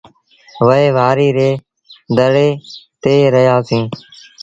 وهي وآريٚ ري ڌڙي تي رهيآ سيٚݩ۔